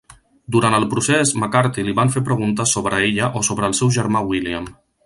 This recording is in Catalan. Durant el procés McCarthy li van fer preguntes sobre ella o sobre el seu germà William.